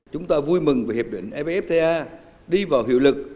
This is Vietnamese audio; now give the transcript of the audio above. chúng ta vui mừng về hiệp định evfta đi vào hiệu lực